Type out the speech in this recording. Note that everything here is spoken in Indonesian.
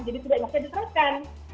jadi tidak bisa diterapkan